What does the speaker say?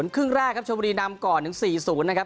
ครึ่งแรกครับชมบุรีนำก่อนถึง๔๐นะครับ